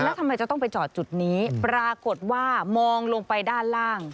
แล้วทำไมจะต้องไปจอดจุดนี้ปรากฏว่ามองลงไปด้านล่าง